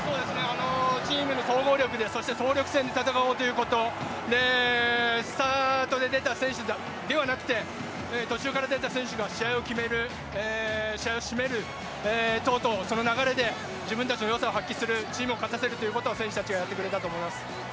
チームの総合力でそして総力戦で戦うということスタートで出た選手ではなくて途中から出た選手が試合を決める、試合を締める等々、その流れで自分たちのよさを発揮する、チームを勝たせるということを選手たちはやってくれたと思います。